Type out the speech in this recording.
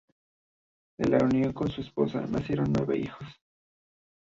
De la unión con su esposa nacieron nueve hijos.